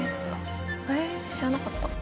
知らなかった。